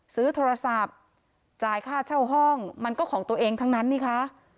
ซื้อโทรศัพท์จ่ายค่าเช่าห้องมันก็ของตัวเองทั้งนั้นนี่คะ